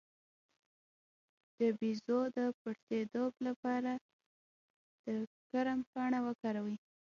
د بیضو د پړسوب لپاره د کرم پاڼه وکاروئ